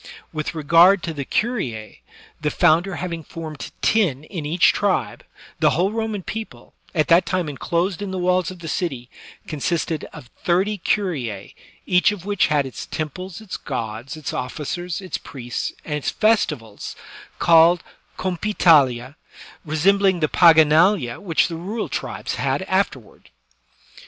loa THE SOCIAL CONTRACT With regard to the curue^ the founder having formed ten in each tribe, the whole Roman people, at that time inclosed in the walls of the city, consisted of thirty curue^ each of which had its temples, its gods, its offi cers, its priests, and its festivals called compitalia^ resembling the paganalia which the rural tribes had after ward.